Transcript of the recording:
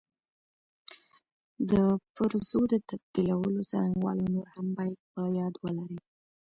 د پرزو د تبدیلولو څرنګوالي او نور هم باید په یاد ولري.